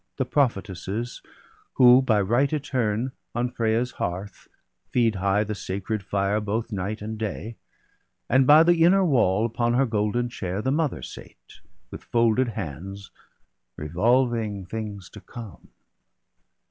The prophetesses, who by rite eterne 140 BALDER DEAD. On Frea's hearth feed high the sacred fire Both night and day; and by the inner wall Upon her golden chair the Mother sate, With folded hands, revolving things to come.